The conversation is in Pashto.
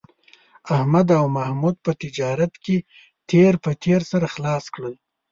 احمد او محمود په تجارت کې تېر په تېر سره خلاص کړل